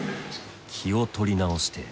気を取り直して。